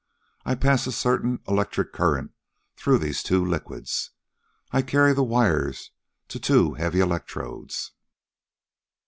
I pass a certain electric current through these two liquids. I carry the wires to two heavy electrodes.